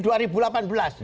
berapa puluh tahun